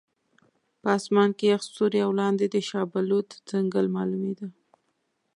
په اسمان کې یخ ستوري او لاندې د شاه بلوط ځنګل معلومېده.